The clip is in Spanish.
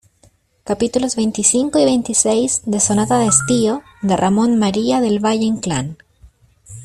capítulos veinticinco y veintiséis de Sonata de estío, de Ramón María del Valle-Inclán.